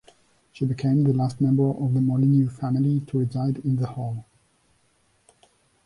She became the last member of the Molyneux family to reside in the hall.